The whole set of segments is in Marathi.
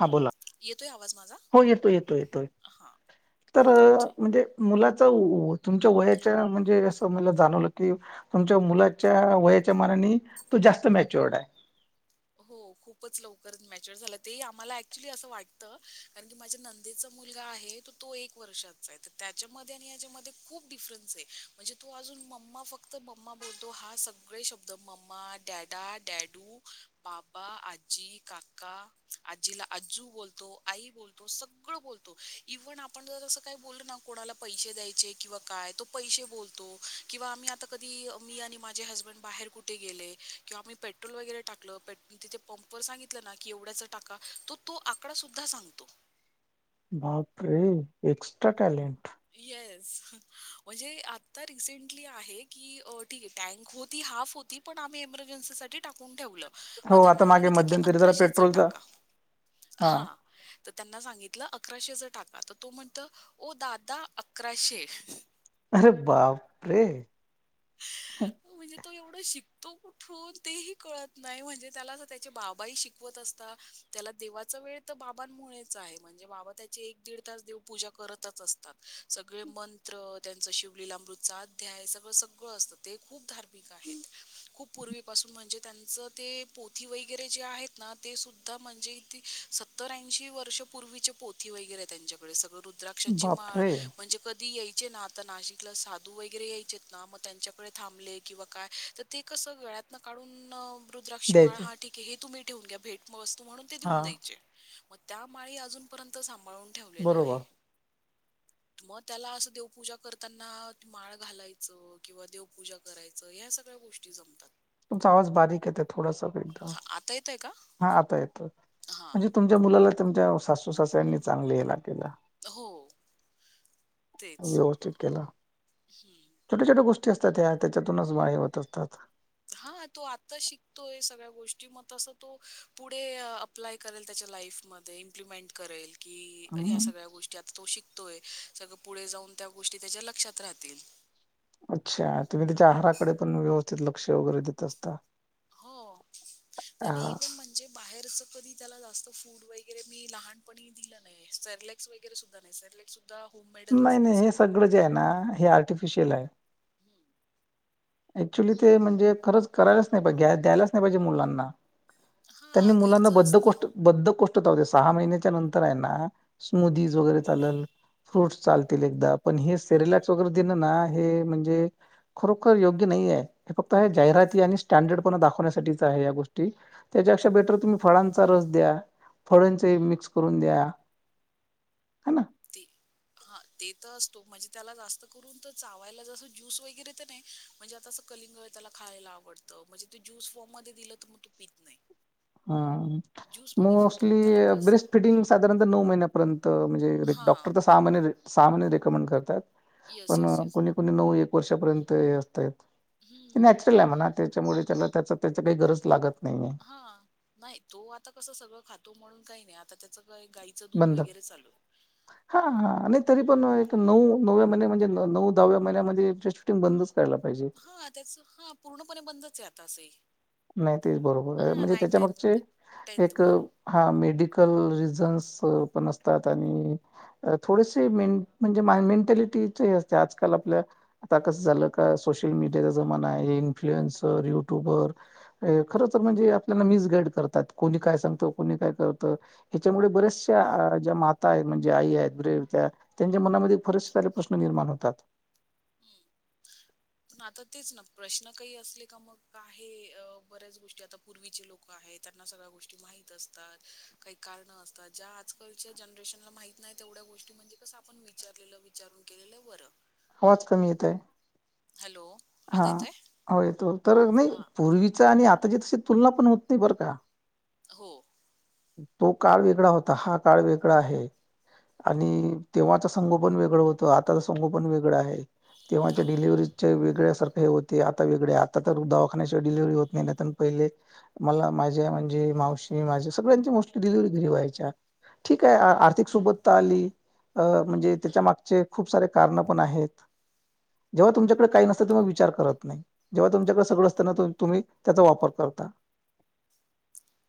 हा बोला येतोय आवाज माझा? हो येतो येतो येतो हां. तर ठीक. म्हणजे मुलाच तुमच्या वयाच्या म्हणजे असं मला जाणवलं की तुमच्या मुलाच्या वयाच्या मनाने तो जास्त मॅच्युअर्ड आहे हो खूपच लवकरच मॅच्युर झाला ते आम्हाला ऍक्च्युली असं वाटतं कारण की माझ्या नंतर मुलगा आहे तो एक वर्षाचा आहे त्याच्यामध्ये आणि यामध्ये खूप डिफरन्स आहे म्हणजे तो अजून मम्मा फक्त मम्मा बोलतो हा सगळे शब्द मम्मा डॅडा डॅडू बाबा आजी काका आजीला आजू बोलतो आई बोलतो सगळ बतो इव्हन आपण जर अस काही बोलल ना कोणाला पैसे द्यायचे किंवा काय तो पै बोलतो किंवा आम्ही आता कधी मी आणि माझे हसबंड बाहेर कुठे गेले किंवा आम्हीट वगैर टाकलं मी तिथे पंपर सांगितलं ना की एवढ्याचा टाका तो तो आका सुद्धा सांगतो बापरे एक्स्ट्रा टॅलेंट येस म्हणजे आता रिसेंटली आहे की ठीक आहे टँक होती हाफ होती पण आम्ही इमर्जन्ीसाठी टाकून ठेवलं मग हो आता त्यांना मागे सांगितलं की मध्यंतरी जरा अकराशेच पेट्रोलचा टाका हा तर त्यांना सांगितलं अकराशेचा टाका तर तो म्हणत दा दहा अकराशे अरे बापरे हा म्हणजे तो एवढं शिकतो कुठून तेही कळत नाही म्हणजे त्याला त्याचे बाबा ह शिकवत असतात त्याला देवाचा वेळ तर बाबांमुळेच आहे म्हणजे बाबा त्याची एक दीड तास देव पूजा करतच असते सगळे मंत्र त्यांच शिवलीला मृचाध्याय सगळं सगळ ते खूप धार्मिक आहेत खूप पूर्वीपासून म्हणजे त्यांचं ते पोथी वगैरे जे आहेत ना ते सुुद्धा म्हणजे इ ते स सतर ऐंशी वर्ष पूर्वीचे पोथी वगैरे त्यांच्याकडे सगळं रुद्राक्षाची माळ बापरे म्हणजे यायचे ना आता नाशिकला साधू वगैरे यायचे ना मग त्यांच्याकडे थांबले किंवा काय तर ते कसं वेळ्यात न काढून रुद्राक्ष माळा द्यायचे हाठी ी हे तुम्ही ठेवून घ्या भेट वस्तू म्हणून ते हा देऊन द्यायचे मग त्या माळी अजून पर्यंत सांभाळून ठेवलेलं आहे बरोबर मग त्याला असं देवपूजा करताना माळ घालायचं किंवा देवपूजा करायचं ह्या सगळ्या गोष्टी जमतात तुमचा आवाज बारीक येते थोडासादा हा आता येत आहे का हा आता येत हा म्हणजे तुमच्या मुलाला तुमच्या सासू सासऱ्यांनी चांगले हे ला केला हो तेच उपस्थित केला ह् छोट्या छोट्या गोष्टी असतात ह्या त्याच्यातूनच वाढवत असतात हा तो आता शिकतोय सगळ्या गोष्टी मग तसं तो पुढे प्लाय करे त्याच्या लाईफ म इम्प्लिमेंट करेल की ह हम्म, सगळ्या गोष्टी तो शिकतोय सगळं पुढे जाऊन त्या गोष्टी त्याच्या लक्षात राहतील अच्छा तुम्ही त्याच्या आहाराकडे पण व्यवस्थित लक्ष वगैरे देत असता. हो त्याने हा. इवन म्हणजे बाहेरच कधी त्याला जास्त फूड वगैरे मी लहानपणी दिलं नाही सरलेक्स वगैरे सुद्धा नाही सेरलेक् होम नाही नाही हे सगळं जे आहे ना हे आर्टिफिशियल आहे हम्म ऍक्च्युली ते म्हणजे खरंच करायच नाही पाहिज द्यायलाच नाही पाहिजे मुलांना त्यांनी हां, मुलांना घरचं असतं. बद्धकोष्ट बद्ध कोोष्टता होते सहा महिन्याच्या नंतर आहे ना स्मदीज वगैरे चालल फ्रूट्स चालतील एकदा पण हे सेरिलॅक्स वगैरे देणं ना हे म्हणजे खरोखर योग्य नाही हे फक्त जाहिराती आणि स्टडर्ड दाखवण्यासाठी आहे या गोष्टी त्याच्यापेक्षा बेटर तुम्ही फळांचा रस द्या फळंचे मिक्स करून द्या ह ना ते हा ते तर असतो म्हणजे त्याला जास्त करून तर चावायला जसं ज्यूस वगैरे तर नाही म्हणजे आता असं कलिंग त्याला खायला आवडतं म्हणजे तू ज्यूस फॉर्म मध्ये दिलं तर मग तू पित नाही हा ज्यूसमध्ये फक्त मग मोस्टली त्याला कसं ब्रेस्ट फिटिंग साधारणत नऊ महिन्यापर्यंत म्हणजे हां. डॉक्टर तर सहा महिने सामान रेकमेंड करतात येस येस येस को नऊ एक वर्षापर्यंत असतय हं. नच म्हणा त्याच्यामुळे त्याला त्या त्याची काही गरज लागत नाहीये हा नाही तो आता कसं सगळं खातो म्हणून काही नाही आता त्याच गाईचं दूध वगैरे चाल हा हा नाही तरी पण एक नऊ नव्या महिन्या म्हणजे नऊ दहाव्या महिन्या म्हणजे ड्रेस शूटिंग बंदच ला पाहिजे हा त्याच हा पूर्णपणे बंदच आहे आता असंही नाही तेच बरोबर हां, म्हणजे त्याच्यामागचे एक मंथ. हा मेडिकल [inaudible] आणि थोडेसे में म्हणजे मेंटॅलिटीचे असते आजकाल आपल्या आता कसं झालं का सोशल मीडियाचा जमाना आहे इन्फ्लुएन्सर युट्युबर खर म्हणजे आपल्याला मिसगाईड करतात कोणी काय सांगत कोणी काय करतं ह्याच्यामुळे बऱ्याच ज्या माता आहेत म्हणजे आई आहेत ब्रे त्या त्यांच्या मनामध्ये फरेसे सले प्रश्न निर्माण होतात पण आता तेच ना प्रश्न काही असले का मग का आहे बऱ्याच गोष्टी आता पूर्वीचे लोक स्या गोष्टी मा असतात का कारण असतात ज्या आजकालच्या जनरेशनला मा नाही तेवढ्या गोष्टी म्हणजे कसं आपण विचारलेलं विचारून केलेलं बरं हवाच कमी येत आहे हॅलो हा आता येतोय हो येतो तर नाही हां पूर्वीचा आणि आताची तशी तुलना पण होत नाही बरं का हो तो काळ वेगळा होता हा काळ वेगळा आहे आणि तेव्हाचा संघो पण वेगळं होतं आ स पण वेग आहे आ- तेव्हाच्या डिलव्ह वेगळ ार हे होते आता वेगळे आता तर दवाखान्याच्या डिललेव्ही होत नाही पहिले मला माझ्या म्हणजे मावशी माझ्या सगळ्यांची मोस्टली डलिव्हरी घरी व्हायच्या ठीक आहे आर्थिक सोबत आली अ म्हणजे त्याच्या मागचे खूप सारे कारण पण आहेत जेव्हा तुच्याकडे काय नसं ते विचार करत नाही जेव्हा तुमच्याकडे सगळं असताना तुम्ही त्याचा वापर करता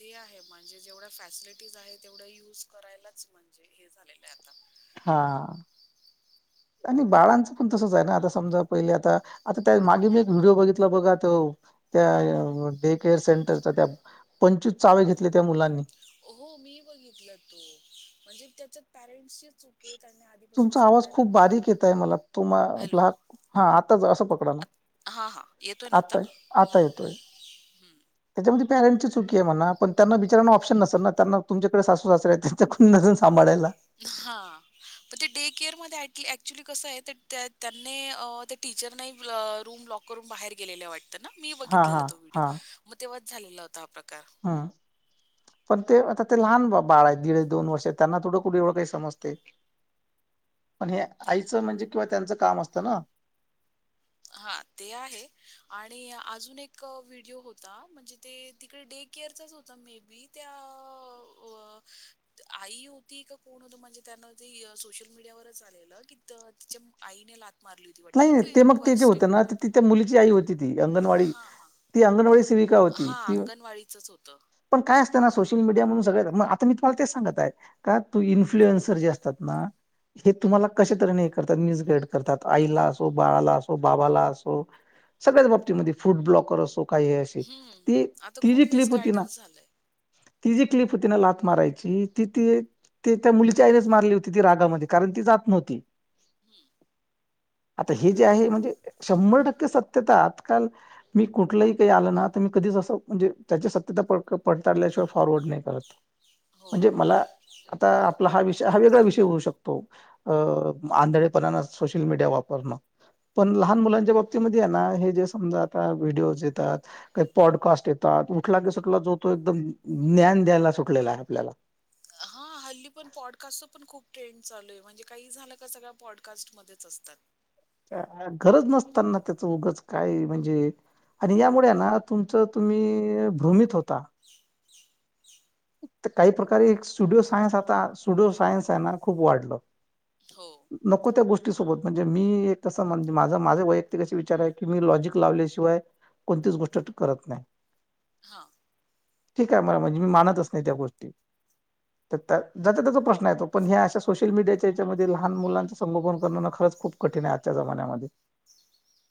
ते आहे म्हणजे जेवढ्या फॅसिलिटीज आहे तेवढ्या युज करायला म्हणजे हे झालेलं आहे आता हा आणि बाळांचं पण तसच आहे ना आता समजा पहिले आता आता त्या मागे मी एक व्हिडिओ बघितला बघा त त्या डे केअर सेंटरचा त्या पंचवीस चावे घेतले त्या मुलांनी हो मी बघितलं तो म्हणजे त्याच्या पॅरेंट्सची चूक आहे त्यांनी आधीपासून तुमचा आवाज सांगायला खूप बारीक येत आहे मला तु हॅलो आपला हात हा आताच असं पकडा ना हा हा येतोय ना आता आता येतोय हम्म त्याच्यामध्ये पॅरेंट्ची चुकी आहे म्हणा पण त्यांना विचारा ऑप्शन नस ना त्यां तुमकडे सासू सासू आहे त्यां कुण नस सांभाळायला हां पण ते डे केअर म ऍक्च्युली कसं आहे त्यांनी त्या टीचर नाही रूम लॉ करून बाहेर गेलेलं वाटतं ना मी हा हा बघितलेला तो व्हिडिओ, मग तेव्हाच झालेला होता. हा प्रकार हां पण ते आता ते लहान बा बाळ आहे दीड दोन वर्ष त्यांना थोडं कुठे एवढं काही समजते हे पण हे आईचं म्हणजे किंवा त्यांचं काम असतं ना. हा ते आहे आणि अजून एक व्हिडिओ होता, म्हणजे ते तिकडे डे. केअरचाच होत मे बी त्या आई होती का कोण होत म्हणजे त्यान ते सोशल मीडियावरच आलेलं की तिच्या आईने ला मारली होती वाटतें नाही ना नाही ते. मग ते जे फर्स्ट होत ना स्टेपवरनं पण ति त्या मुलीची आई होती. त अंगणवाडी हां, हां. ती अंगणवाडी सेविका होती हां, ती. अंगणवाडीचंच होतं. पण काय असत ना सोशल मीडिया म्हूनगळंग आता मी तुम्हाला ते सांगत आहे. का त इन्फ्लुएन्सर जे असतात ना हे तुम्हाला कश त हे करतात न्यूज गाईड करतात. आईला असो बाळाला असो बाबाला असो सगळ्याच बाबतीमध्ये फूड ब्लॉकर असो. काही आहे अशी हं. ती आता ती खूप जी क्लिप होती ना मिसगाईडन्स झालंय. ती जी क्लिप तिने लात मारायची ती ती ते त्या मुलीच्या आईनेच मारली होती ती रागामध्ये कारण ती जात नव्हती ह् आता हे जे आहे म्हणजे शंभर टक्के सत्यता आजकाल. मी कुठलंही काही आलं ना तर मी कधीच असं म्हणजे त्याची सत्यता पडताळल्याशिवाय फॉरवर्ड नाही करत. हो. म्हणजे मला आता आपला हा विषय हा वेगळा विषय होऊ शकतो, अ आंधळेपणान. सोशल मीडिया वापरणं. पण लहान मुलांच्या बाबतीमध्ये आहे ना हे जे समजा आता व्हिडिओज येतात. काही पॉडकास्ट येतात. उठला की सुटला जो तो एकदम ज्ञान द्यायला सुटलेला आहे. आपल्याला ह हल्ली पण पॉडकास्टच पण खूप ट्रेंड चालू आहे. म्हणजे काही झालं का सगळ्या पॉडकास्टमध्येध्येच असतात. गरज नसताना त्याचं उगच काय म्हणजे आणि यामुळे ना तुमचं तुम्ही भ्रूमित होता. काही प्रकारे स्टुडिओ सायन्स आता स्टुडिओ सायनस आहे ना खूप वाढलं. हो. नको त्या गोष्टी सोबत म्हणजे मी एक तस म्हणजे माझा माझा वैयक्तिक असे विचार आहे की मी लॉजिक लावल्याशिवाय कोणतीच गोष्ट करत नाही. हा. ठीक आहे मला म्हणजे मी मानतच नाही, त्या गोष्टी [inaudible] तर ज त्याचा प्रश्न येतो पण हे अशा, सोशल मीडियाच्या याच्यामध्ये लहान मुलांच संगोपन करणं खरंच खूप कठीण आहे आजच्या जमान्यामध्ये.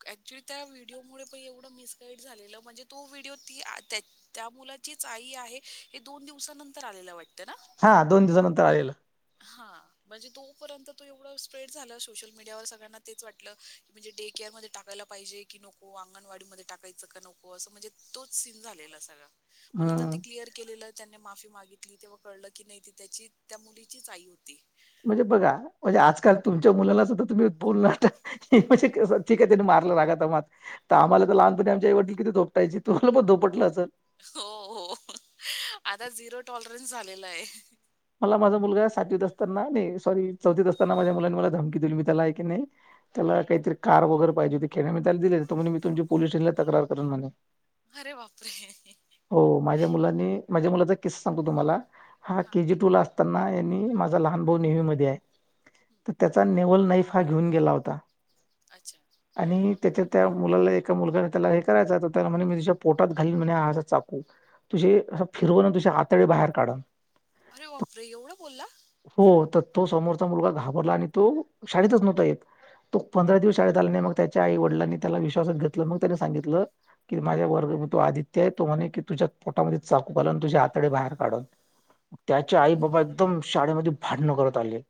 ॲक्च्युली त्या व्हिडिओमुळे पण एवढं मिसगाइड झालेलं, म्हणजे तो व्हिडिओ ती आ त्या त्या मुलाचीच आई आहे हे दोन दिवसानंतर आलेला वाटतं ना? हा दोन दिवसानंतर आलेलं. हा. म्हणजे तोपर्यंत तो एवढं स्प्रेड झाला सोशल मीडियावर. सगळ्यांना तेच वाटलं की म्हणजे डे केअर म टाकायला पाहिजे की नको? अंगणवाडी म टाकायचं का नको? असं म्हणजे तोच सीन झालेला सगळा म्हण आ हम्म. ते क्लिअर केलेलं त्यांनी माफी मागितली तेव्हा कळलं की नाही त्याची त्या मुली चीच आई होती. म्हणजे बघा म्हणजे आजकाल तुमच्या मुला सुद्धा तुम्ही बोलण म्हणजे ठीक आहे. त्याने मारलं रागात आम्हाला लहानपणी आमच्या आई वडलानी किती धोपटायची. तुमाला धोपटलं असल? हो हो. आता झिरो टॉलरन्स झालेला आहे. मला माझा मुलगा आहे सातवीत असताना नाही सॉरी चौथत असताना माझ्या मुलांनी मला धमकी दिली. मी त्याला आहे की नाही त्याला काहीतरी कार वगैरे पाहिजे ते खेण्या मी त्याला दिले म्ह मी तुमची पोस स्टेशनला तकार करन म्हणे हरे बापरे! हो माझ्या मुलानी माझ्या मुलाचा किस्सा सांगतो तुम्हाला हा हां. के जी टू ला असताना यांनी माझा लहान भाऊ नेवी मधे आहे. तर त्याचा नेवल नाईफ हा घेऊन गेला होता अच्छा. आणि त्याच्या त्या मुलाला एका मुलगाने त्याला हे करायचं त्याला म्हणे मी तच्या पोटात घालीून म्हणे हा असा चाकू तुझी अस फिरवून तझ्या आतळी बाहेर काढन अरे बापरे! एवढं बोलला? हो. तर तो समोरचा मुलगा घाबरला आणि तो शाळेतच नव्हता येत. तो पंधरा दिवस शाळेत आलाने मग त्याच्या आई वडिलांनी त्याला विश्वासात घेतलं मग त्यानी सांगितलं कि माझ्या वर्ग तो आदित्य आहे. तो म्हणे की तुझ्या पोटामध्ये चाकू घलवून तुझ्या आाताडे बाहेर काढन त्याचे आई बाबा एकदम शाळेमध्ये भडणं करत आले.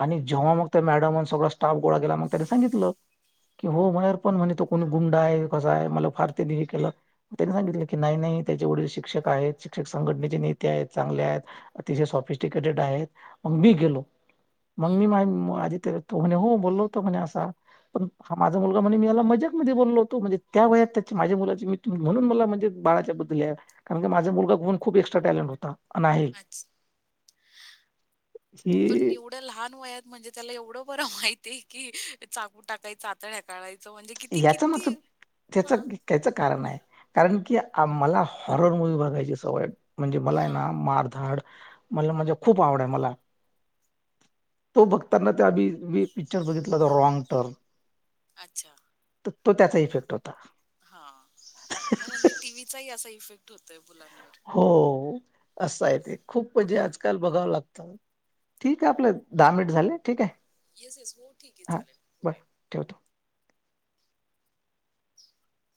आणि जेव्हा मग त्या मॅडमन सगळा स्टाफ गोळा केला मग त्याने सांगितलं. कि हो म्हणार पण म्हणे तो कोणी गुंडा आहे कसा आहे? मला फार त्यांनी हे केल त्यांनी सांगितलं की नाही नाही त्याचे वडील शिक्षक आहेत. शिक्षक संघटनेचे नेते आहेत चांगले आहेत. अतिशय सॉफिस्टिकेटेड आहेत मग मी गेलो. मग हं. मी माझ आजी ते तो म्हणे हो बोललो होतो म्हणे असा पण हा माझा मुलगा म्हणे मजकमध्ये बोललो होतो म्हणजे. त्या वयात त्याची माझ्या मुलाची मी म्हणून मला म्हणजे बाळाच्या बद्दल आहे कारण की माझा मुलगा गुन खूप एक्स्ट्रा टॅलेंट होता आणि आहे. पण ही निव लहान वयात म्हणजे त्याला एवढं बर माहितय की चाकू टाकायाचा [unintelligible] काळाचं म्हणजे किती याचा किती मागचं हा. त्याच कारण आहे. कारण की मला हॉरर मूवी् बघायची सवय म्हणजे मला ये ना हां. मार धाड मला म्हणजे खूप आवड आहे मला, तो बघताना त्याभी. मी पिक्चर बघितलं तर रॉग टर्न. अच्छा. तर तो त्याचा इफेक्ट होता. हा म्हणजे टी. व्हीचाही असा इफेक्ट होतोय मुलांवर. हो असं आहे ते, खूप म्हणजे हं. आजकाल बघावं लागतं. ठीक आहे आपलं, दहा मिनिट झाले ठीक आहे. येस-येस हो ठीक आहे हां चालेल, बरं बोलूया. ठेवतो. [inaudible]